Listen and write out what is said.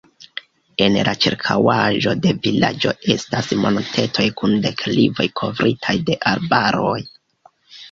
En la ĉirkaŭaĵo de vilaĝo estas montetoj kun deklivoj kovritaj de arbaroj.